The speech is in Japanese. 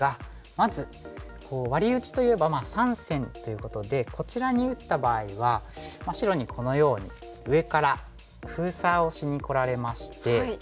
まずワリ打ちといえば３線ということでこちらに打った場合は白にこのように上から封鎖をしにこられまして。